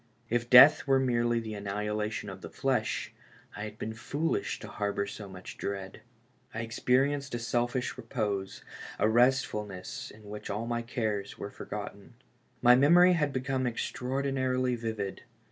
If death were merely the annihilation of the flesh, I had been foolish to harbor so much dread. I experienced a selfish repose, a restfulness in which all my cares were forgotten. My memory had become extraordinarily vivid.